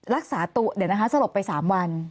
รักษาตัวเดี๋ยวนะคะสลบไป๓วัน